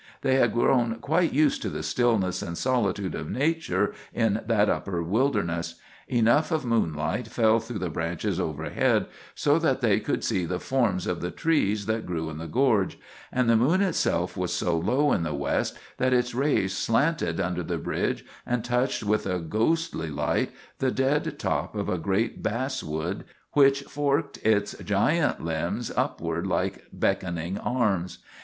They had grown quite used to the stillness and solitude of nature in that upper wilderness. Enough of moonlight fell through the branches overhead so that they could see the forms of the trees that grew in the gorge; and the moon itself was so low in the west that its rays slanted under the bridge and touched with a ghostly light the dead top of a great basswood which forked its giant limbs upward like beckoning arms.